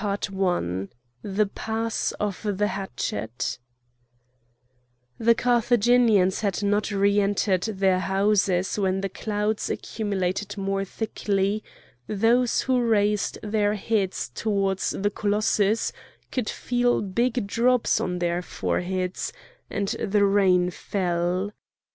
CHAPTER XIV THE PASS OF THE HATCHET The Carthaginians had not re entered their houses when the clouds accumulated more thickly; those who raised their heads towards the colossus could feel big drops on their foreheads, and the rain fell.